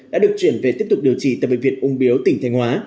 đã được chuyển về tiếp tục điều trị tại bệnh viện ung biếu tỉnh thanh hóa